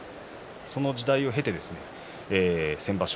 その時代を経て、先場所